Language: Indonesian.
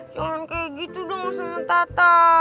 salon kayak gitu udah gak sama tata